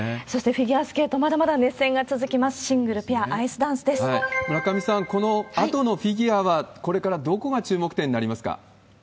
そしてフィギュアスケート、まだまだ熱戦が続きます、シングル、村上さん、このあとのフィギュアは、これからどこが注目点になりますか？